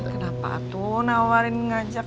kenapa atuh nawarin ngajak